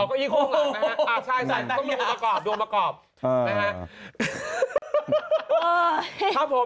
ผมดูอีกคู่ข้างหลังใช่ต้องดูคุณประกอบดูคุณประกอบ